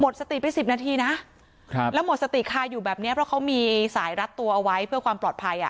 สติไปสิบนาทีนะแล้วหมดสติคาอยู่แบบเนี้ยเพราะเขามีสายรัดตัวเอาไว้เพื่อความปลอดภัยอ่ะ